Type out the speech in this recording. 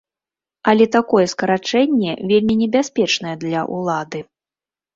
Але такое скарачэнне вельмі небяспечнае для ўлады.